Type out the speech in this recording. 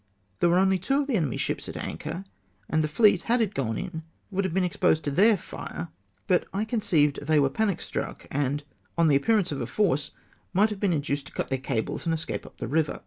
There were only two of the enemy's ships at anchor, and the fleet, had it gone in, would have been exposed to their fire ; but I conceived they were panic struck, and on the appearance of a force might have been induced to cut their cables, and escape up the river.